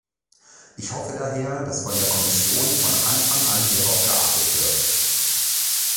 Ich hoffe daher, dass von der Kommission von Anfang an hierauf geachtet wird.